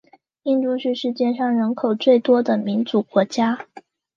印度是世界上人口最多的民主国家。